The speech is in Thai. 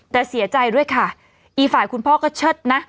แต่เสียใจด้วยค่ะอีกฝ่ายคุณพ่อก็เชิดนะ